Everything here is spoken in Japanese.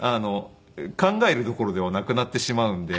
考えるどころではなくなってしまうんで。